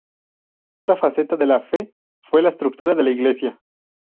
Otra faceta de la fe fue la estructura de la iglesia.